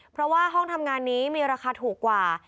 เพราะว่าห้องทำงานนี้มีราคาถูกกว่า